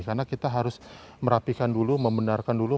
karena kita harus merapikan dulu membenarkan dulu